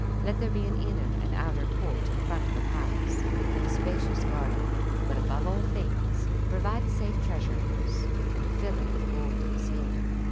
Let there be an inner and outer court in front of the palace, and a spacious garden; but above all things, provide a safe treasure house, and fill it with gold and silver.